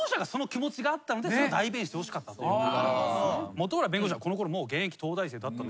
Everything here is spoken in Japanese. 本村弁護士はこのころ現役東大生だったので。